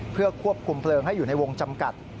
เพื่อควบคุมเพลิงให้อยู่ในวงจำกัด